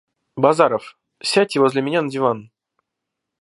Базаров, сядьте возле меня на диван.